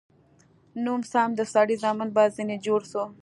نو سم د سړي زامن به ځنې جوړ سو.